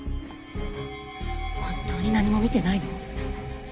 本当に何も見てないの？